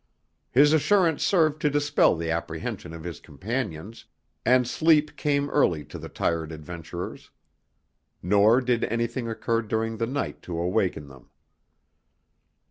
His assurance served to dispel the apprehension of his companions, and sleep came early to the tired adventurers. Nor did anything occur during the night to awaken them.